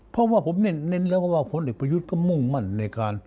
เพราะว่าผมเน้นแล้วว่าผลเอกประยุทธ์ก็มุ่งมั่นในการ